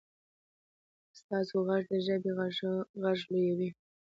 ستاسو غږ د ژبې غږ لویوي.